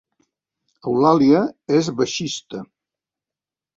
Eulàlia és baixista